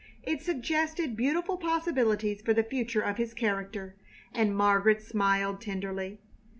It suggested beautiful possibilities for the future of his character, and Margaret smiled tenderly.